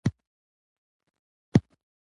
شېخ ملکیار هوتک د بابا هوتک مشر زوى وو.